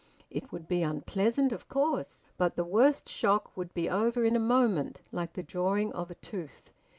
It would be unpleasant, of course, but the worst shock would be over in a moment, like the drawing of a tooth.